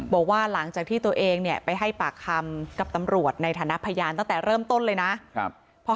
บอกว่าหลังจากที่ตัวเองเนี่ยไปให้ปากคำกับตำรวจในฐานะพยานตั้งแต่เริ่มต้นเลยนะ